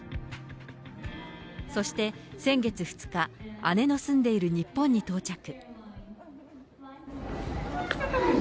そして、先月２日、姉の住んでいる日本に到着。